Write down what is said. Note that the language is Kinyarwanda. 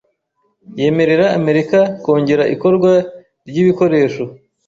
yemerera Amerika kongera ikorwa ry'ibikoresho